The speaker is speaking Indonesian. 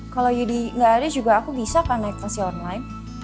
kalau yudi nggak ada juga aku bisa kan naik taksi online